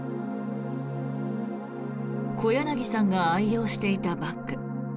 小柳さんが愛用していたバッグ。